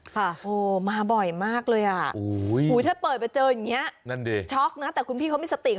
โหมาบ่อยมากเลยอ่ะโอ้โหถ้าเปิดมาเจออย่างเงี้ยนั่นดิช็อกนะแต่คุณพี่เขามีสติ